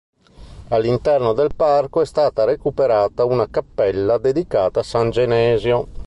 All'interno del parco è stata recuperata una cappella dedicata a San Genesio.